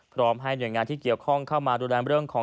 พร้อมให้หน่วยงานที่เกี่ยวข้องเข้ามาดูแลเรื่องของ